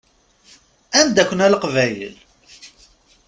Anda-ken a Leqbayel?